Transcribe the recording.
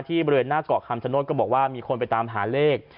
บริเวณหน้าเกาะคำชโนธก็บอกว่ามีคนไปตามหาเลข